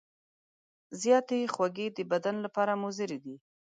زیاتې خوږې د بدن لپاره مضرې دي.